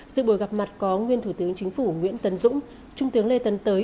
dự buổi gặp mặt có nguyên thủ tướng chính phủ nguyễn tấn dũng trung tướng lê tấn tới